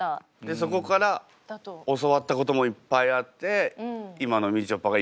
そこから教わったこともいっぱいあって今のみちょぱがいるんだもんね。